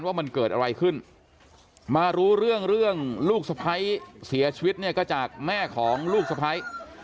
ว่ามันเกิดอะไรขึ้นมารู้เรื่องลูกศพัยเสียชีวิตเนี่ยก็จากแม่ของลูกศพัย